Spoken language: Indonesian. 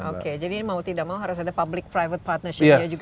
oke jadi mau tidak mau harus ada public private partnership nya juga